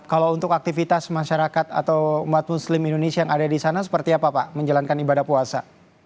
kalau untuk aktivitas masyarakat atau umat muslim indonesia yang ada di sana seperti apa pak menjalankan ibadah puasa